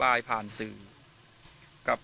วันนี้ก็จะเป็นสวัสดีครับ